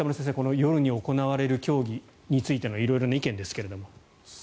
夜に行われる競技についての色々な意見ですけれども。